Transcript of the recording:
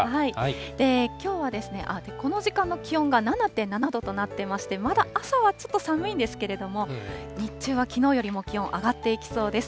きょうは、この時間の気温が７．７度となってまして、まだ朝はちょっと寒いんですけれども、日中はきのうよりも気温上がっていきそうです。